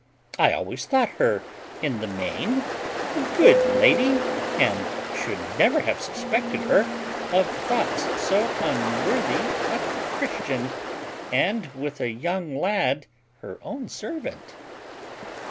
I always thought her in the main a good lady, and should never have suspected her of thoughts so unworthy a Christian, and with a young lad her own servant."